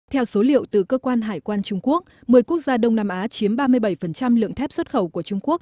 theo số liệu từ cơ quan hải quan trung quốc một mươi quốc gia đông nam á chiếm ba mươi bảy lượng thép xuất khẩu của trung quốc